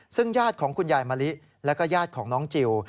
ซึ่งญาติของคุณยายมะลิแล้วก็ญาติของน้องจิล